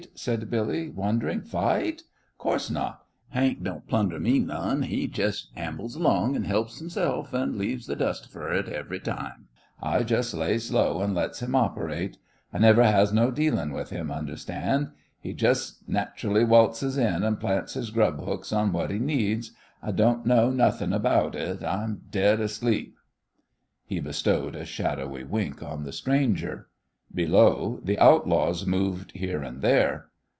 said Billy, wondering. "Fight? Co'se not. Hank don't plunder me none. He jest ambles along an' helps himself, and leaves th' dust fer it every time. I jest lays low an' lets him operate. I never has no dealin's with him, understand. He jest nat'rally waltzes in an' plants his grub hooks on what he needs. I don't know nothin' about it. I'm dead asleep." He bestowed a shadowy wink on the stranger Below, the outlaws moved here and there.